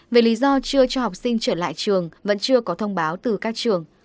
về lý do chưa cho học sinh trở lại trường vẫn chưa có thông báo từ các trường